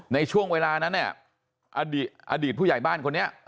ในช่วงเวลานั้นอดีตผู้ใหญ่บ้านคนนี้